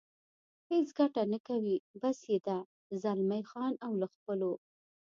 هېڅ ګټه نه کوي، بس یې ده، زلمی خان او له خپلو.